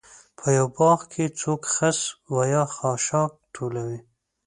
په یوه باغ کې څوک خس و خاشاک ټولوي.